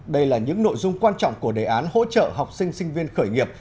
đây là những nội dung quan trọng của đề án hỗ trợ học sinh sinh viên khởi nghiệp